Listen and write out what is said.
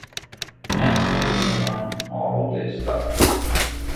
Hence will ruin all the stuff.